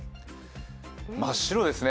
真っ白ですね。